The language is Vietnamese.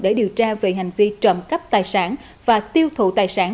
để điều tra về hành vi trộm cắp tài sản và tiêu thụ tài sản